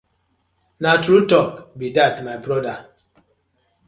Na true talk be dat my brother.